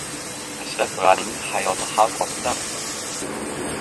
Ashraf G‘anining hayoti xavf ostidami?